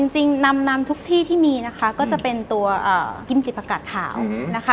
นำทุกที่ที่มีนะคะก็จะเป็นตัวกิมจิผักกัดขาวนะคะ